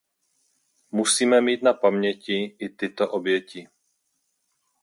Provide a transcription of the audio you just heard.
Musíme mít na paměti i tyto oběti.